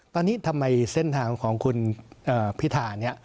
ตอนนี้ทำไมเส้นทางของคุณพิธาเนี่ย